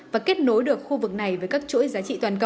và kết nối được khu vực này với các chuỗi giá trị toàn cầu